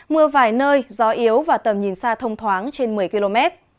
mưa vài nơi gió yếu và tầm nhìn xa thông thoáng trên một mươi km